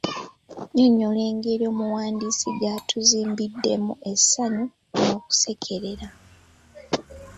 Nnyonnyola engeri omuwandiisi gy’atuzimbiddemu essanyu n’okuceekeera.